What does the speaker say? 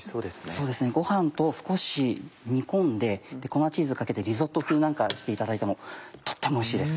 そうですねご飯と少し煮込んで粉チーズかけてリゾット風なんかにしていただいてもとってもおいしいです。